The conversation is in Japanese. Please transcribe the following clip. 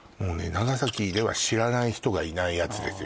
長崎では知らない人がいないやつですよ